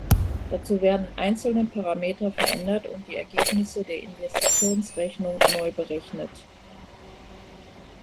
Dazu werden einzelne Parameter verändert und die Ergebnisse der Investitionsrechnung neu berechnet.